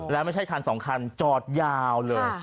แล้วไม่ใช่คัน๒คันจอดยาวเลย